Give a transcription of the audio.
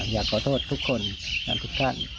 อยากขอโทษทุกคนทุกท่าน